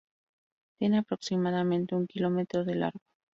Tiene aproximadamente un kilómetro de largo.